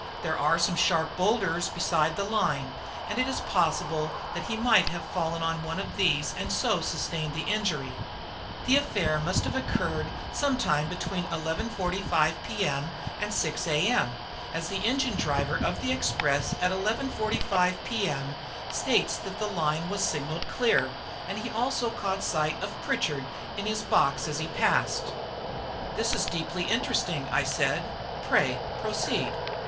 There are some sharp boulders beside the line, and it was possible that he might have fallen on one of these and so sustained the injury. The affair must have occurred some time between 11.45 p.m. and 6 a.m., as the engine driver of the express at 11.45 p.m. states that the line was signalled clear, and he also caught sight of Pritchard in his box as he passed." "This is deeply interesting," I said; "pray proceed."